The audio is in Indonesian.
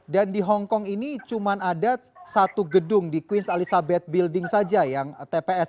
dan di hongkong ini cuma ada satu gedung di queen elizabeth building saja yang tps